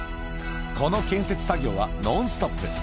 この建設作業はノンストップ。